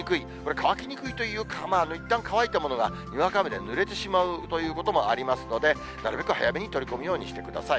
乾きにくいというか、いったん乾いたものがにわか雨でぬれてしまうということもありますので、なるべく早めに取り込むようにしてください。